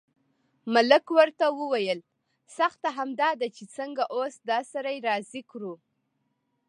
ملک ورته وویل سخته همدا ده چې څنګه اوس دا سړی راضي کړو.